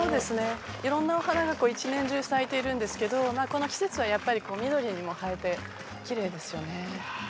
いろんなお花が一年中、咲いているんですけどこの季節はやっぱり緑も映えてきれいですよね。